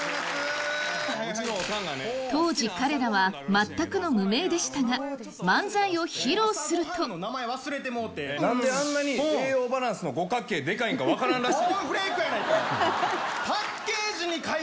当時、彼らは全くの無名でしたが漫才を披露すると何であんなに栄養バランスの五角形、でかいんか分からんらしい。